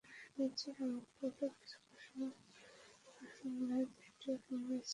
নিশ্চয় চমকপ্রদ কিছু ঘোষণা আসবে লাইভ ভিডিও কিংবা স্মার্ট চ্যাট নিয়ে।